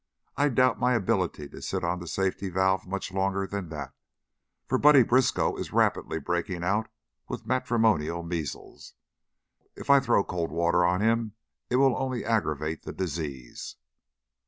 I doubt my ability to sit on the safety valve much longer than that, for Buddy Briskow is rapidly breaking out with matrimonial measles. If I throw cold water on him it will only aggravate the disease."